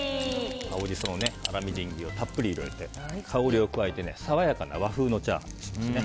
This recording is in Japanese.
青ジソの粗みじん切りをたっぷり入れて香りを加えて爽やかな和風のチャーハンにします。